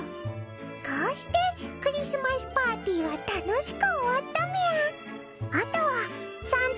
こうしてクリスマスパーティーは楽しく終わったみゃ。